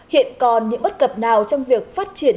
hiện còn những bất cập nào trong việc phát triển